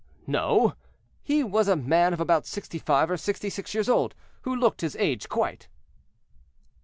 "No; he was a man of about sixty five or sixty six years old, who looked his age quite."